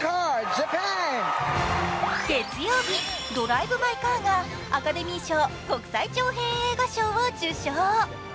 月曜日、「ドライブ・マイ・カー」がアカデミー賞国際長編映画賞を受賞。